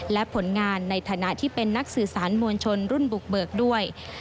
และผลงานในฐานะที่เป็นนักสื่อสารมวลชนรุ่นบุกเบิกด้วย